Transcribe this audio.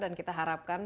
dan kita harapkan